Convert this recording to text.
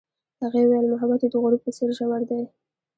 هغې وویل محبت یې د غروب په څېر ژور دی.